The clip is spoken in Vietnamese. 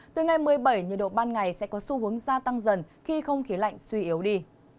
từ ngày một mươi bảy nhiệt độ ban ngày sẽ có xu hướng gia tăng dần khi không khí lạnh suy yếu đi